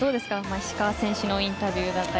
石川選手のインタビューだったり。